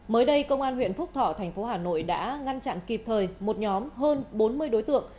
mới đây công an huyện phúc thọ thành phố hà nội đã ngăn chặn kịp thời một nhóm hơn bốn mươi đối tượng